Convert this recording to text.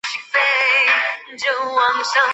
转任吴令。